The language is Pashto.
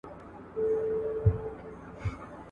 تېرې خوږې خاطرې